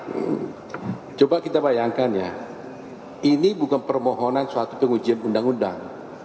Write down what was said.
hmm coba kita bayangkan ya ini bukan permohonan suatu pengujian undang undang